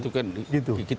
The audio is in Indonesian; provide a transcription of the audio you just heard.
itu kan gitu